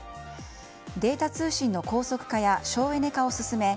データ通信の高速化や省エネ化を進め